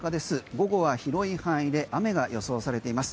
午後は広い範囲で雨が予想されています。